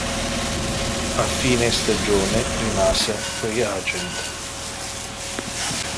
A fine stagione rimase free agent.